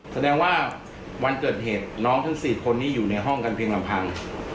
แสดงว่าวันเกิดเหตุน้องทั้ง๔คนนี้อยู่ในห้องกันเพียงลำพัง